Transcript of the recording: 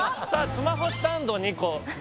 スマホスタンド？